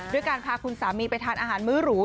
ด้วยการพาคุณสามีไปทานอาหารมื้อหรู